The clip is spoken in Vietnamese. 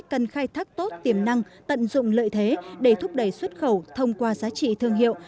cần khai thác tốt tiềm năng tận dụng lợi thế để thúc đẩy xuất khẩu thông qua giá trị thương hiệu